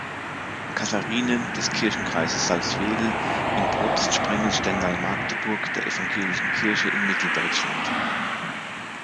Katharinen des Kirchenkreises Salzwedel im Propstsprengel Stendal-Magdeburg der Evangelischen Kirche in Mitteldeutschland.